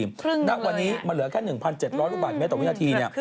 ครึ่งเลยนักวันนี้มันเหลือแค่๑๗๐๐ลูกบาทเมตรต่อวินาที